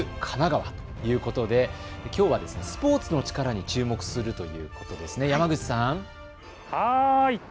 神奈川ということで、きょうはスポーツの力に注目するということですね、山口さん。